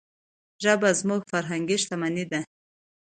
ژبه زموږ فرهنګي شتمني ده.